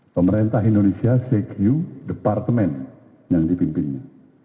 pemerintah indonesia secure departemen yang dipimpinnya